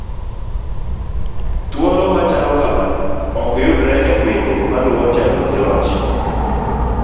thuolo machalo kama okyudre e pinje maluwo telo gi loch